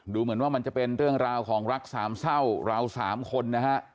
ดูเหมือนว่ามันจะเป็นเรื่องราวของรักสามเศร้าเราสามคนนะฮะ